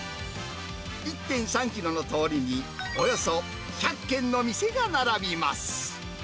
１．３キロの通りに、およそ１００軒の店が並びます。